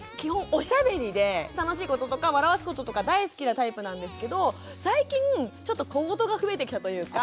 おしゃべりで楽しいこととか笑わすこととか大好きなタイプなんですけど最近ちょっと小言が増えてきたというか。